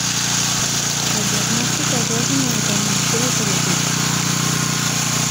El diagnòstic es basa en la determinació del cariotip.